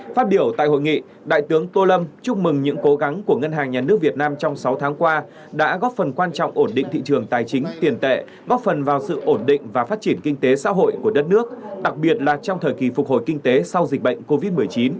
phát biểu tại hội nghị đại tướng tô lâm chúc mừng những cố gắng của ngân hàng nhà nước việt nam trong sáu tháng qua đã góp phần quan trọng ổn định thị trường tài chính tiền tệ góp phần vào sự ổn định và phát triển kinh tế xã hội của đất nước đặc biệt là trong thời kỳ phục hồi kinh tế sau dịch bệnh covid một mươi chín